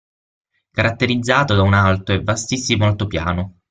Caratterizzato da un alto e vastissimo altipiano.